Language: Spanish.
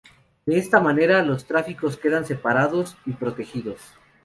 De esta manera los tráficos quedan separados y protegidos.